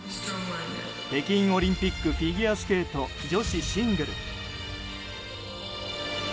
北京オリンピックフィギュアスケート女子シングル。